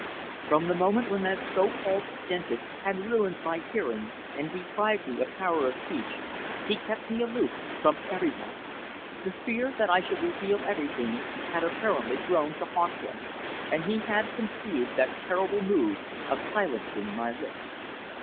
From the moment when that so called dentist had ruined my hearing and deprived me of power of speech, he kept me aloof from everyone. The fear that I should reveal everything had apparently grown to haunt him, and he had conceived that terrible mode of silencing my lips.